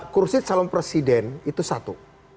kursi calon presiden itu satu